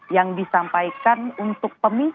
yang disampaikan untuk pemilu